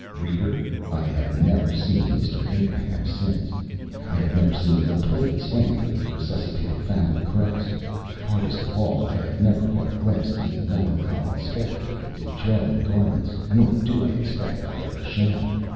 Reader, I have never seen Mr. Abrahams since; I have never seen the plate stamped with the resuscitated family crest; hardest of all, I have never caught a glimpse of the melancholy spectre with the trailing garments, nor do I expect that I ever shall.